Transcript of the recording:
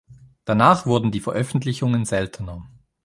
Danach wurden die Veröffentlichungen seltener.